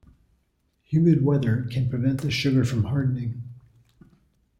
Humid weather can prevent the sugar from hardening.